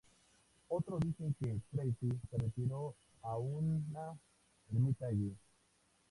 Otros dicen que Tracy se retiró a una ermita allí.